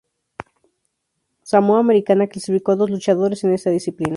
Samoa Americana clasificó a dos luchadores en esta disciplina.